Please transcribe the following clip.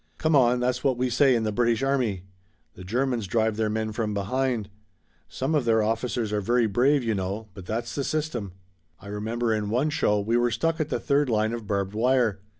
'Come on,' that's what we say in the British army. The Germans drive their men from behind. Some of their officers are very brave, you know, but that's the system. I remember in one show we were stuck at the third line of barbed wire.